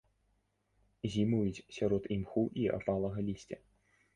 Зімуюць сярод імху і апалага лісця.